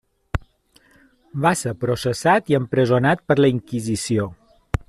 Va ser processat i empresonat per la Inquisició.